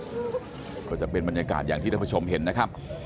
ก็จะเป็นบรรยากาศอย่างที่ท่านผู้ชมเห็นนะครับ